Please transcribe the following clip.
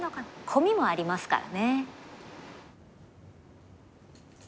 コミもありますからね。